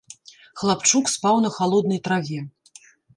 Хлапчук спаў на халоднай траве.